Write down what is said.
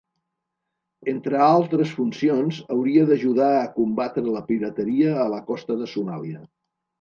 Entre altres funcions, hauria d'ajudar a combatre la pirateria a la costa de Somàlia.